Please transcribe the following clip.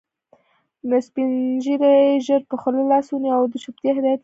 يو سپين ږيري ژر پر خوله لاس ونيو او د چوپتيا هدایت يې وکړ.